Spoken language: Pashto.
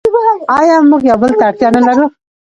آیا موږ یو بل ته اړتیا نلرو؟